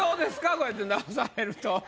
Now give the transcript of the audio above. こうやって直されると。